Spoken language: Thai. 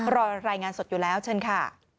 รายงานสดอยู่แล้วเชิญค่ะ